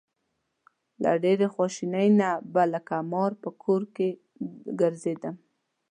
له ډېرې خواشینۍ نه به لکه مار په کور کې ګرځېدم.